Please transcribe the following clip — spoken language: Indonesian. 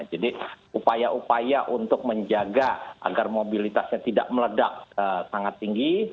jadi upaya upaya untuk menjaga agar mobilitasnya tidak meledak sangat tinggi